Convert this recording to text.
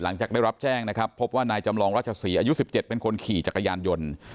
หลังจากได้รับแจ้งนะครับพบว่านายจำลองราชศรีอายุ๑๗เป็นคนขี่จักรยานยนต์